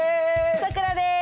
さくらです。